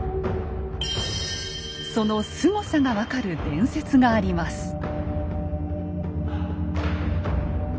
そのスゴさが分かる伝説があります。